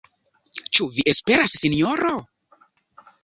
Ĉu vi esperas, sinjoro?